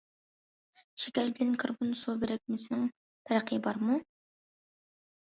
شېكەر بىلەن كاربون سۇ بىرىكمىسىنىڭ پەرقى بارمۇ؟